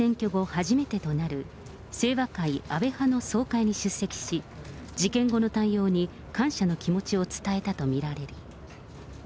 初めてとなる、清和会・安倍派の総会に出席し、事件後の対応に感謝の気持ちを伝えたと見られる。